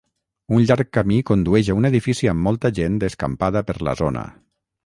Un llarg camí condueix a un edifici amb molta gent escampada per la zona.